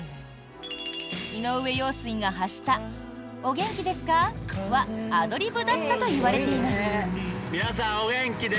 井上陽水が発した「お元気ですか？」はアドリブだったといわれています。